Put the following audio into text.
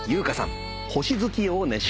『星月夜』を熱唱。